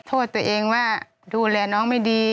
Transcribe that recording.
โทษตัวเองว่าดูแลน้องไม่ดี